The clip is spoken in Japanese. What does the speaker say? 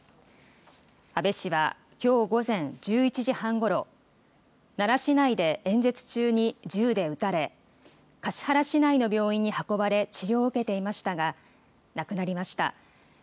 安倍氏はきょう午前１１時半ごろ、奈良市内で演説中に銃で撃たれ、橿原市内の病院に運ばれ、治療を受けていましたが、亡くなりました。